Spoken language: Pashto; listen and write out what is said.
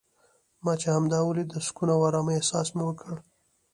ما چې همدا ولید د سکون او ارامۍ احساس مې وکړ.